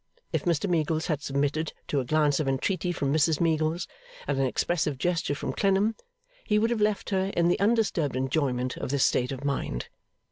If Mr Meagles had submitted to a glance of entreaty from Mrs Meagles, and an expressive gesture from Clennam, he would have left her in the undisturbed enjoyment of this state of mind.